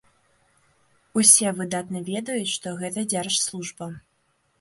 Усе выдатна ведаюць, што гэта дзяржслужба.